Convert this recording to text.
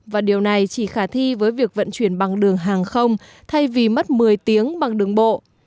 và điều này chỉ khả thi với việc vận chuyển bằng đường hàng không thay vì mất một mươi tiếng bằng đường bộ